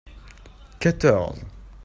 quatorze.